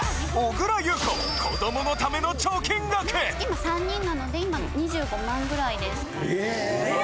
今３人なので今２５万ぐらいですかね。・エーッ！